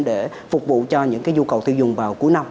để phục vụ cho những cái dù cầu tiêu dùng vào cuối năm